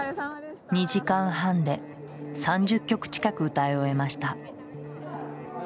２時間半で３０曲近く歌い終えました。